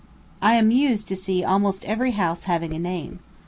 I am amused to see almost every house having a name.